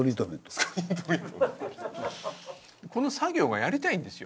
この作業はやりたいんですよ。